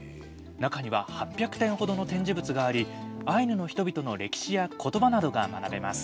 中には８００点ほどの展示物がありアイヌの人々の歴史やことばなどが学べます。